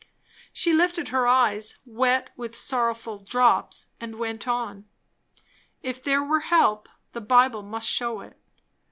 She lifted her eyes, wet with sorrowful drops, and went on. If there were help, the Bible must shew it.